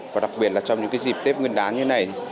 và đặc biệt là trong những dịp tết nguyên đán như này